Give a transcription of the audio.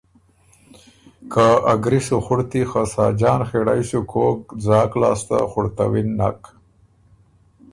که ا ګری سُو خُړتی خه ساجان خِړئ سُو کوک ځاک لاسته خُړتَوِن نک،